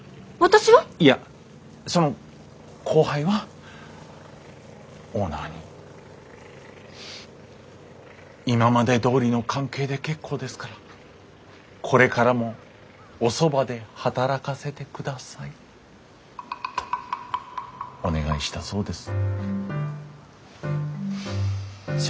いやその後輩はオーナーに「今までどおりの関係で結構ですからこれからもおそばで働かせてください」とお願いしたそうです。